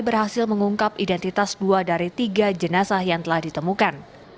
berhasil mengungkap identitas dua dari tiga jenazah yang telah ditemukan